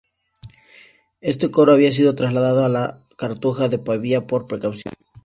Este coro había sido trasladado a la Cartuja de Pavía por precaución.